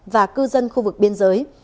và cư dân khu vực biên giới